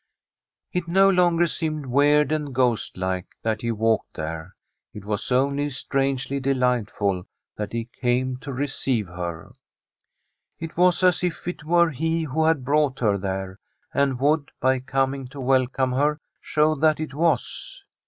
It no longer seemed weird and ghost like that he walked there. It was only strangely delightful that he came to receive her. It was as if it were he who had brought her there, and would, by coming to welcome her, show that it was.